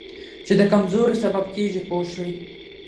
چې د کمزورۍ سبب کېږي پوه شوې!.